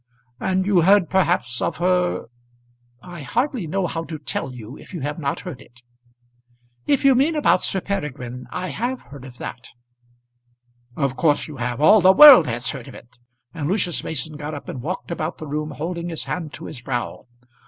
"And you heard perhaps of her . I hardly know how to tell you, if you have not heard it." "If you mean about Sir Peregrine, I have heard of that." "Of course you have. All the world has heard of it." And Lucius Mason got up and walked about the room holding his hand to his brow.